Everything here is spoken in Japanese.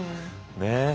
ねえ。